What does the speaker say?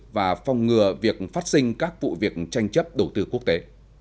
và phòng ngừa việc phát sinh các vụ việc tranh chấp đầu tư quốc tế